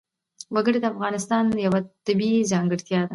وګړي د افغانستان یوه طبیعي ځانګړتیا ده.